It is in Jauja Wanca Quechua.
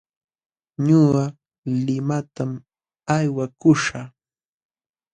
Ñuqa limatam aywakuśhaq.